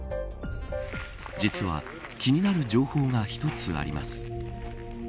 実は、気になる情報が一つあります。